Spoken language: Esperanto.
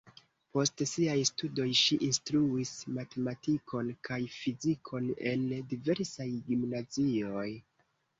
Post siaj studoj ŝi instruis matematikon kaj fizikon en diversaj gimnazioj.